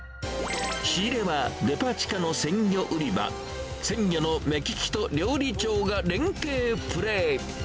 仕入れはデパ地下の鮮魚売り場、鮮魚の目利きと料理長が連係プレー。